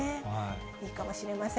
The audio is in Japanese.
いいかもしれません。